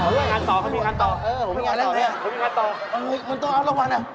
มันต้องเอาระวันล่ะ